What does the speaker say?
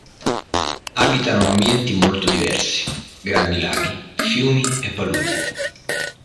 Abitano ambienti molto diversi, grandi laghi, fiumi e paludi.